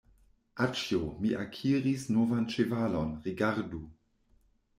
Aĉjo, mi akiris novan ĉevalon, rigardu!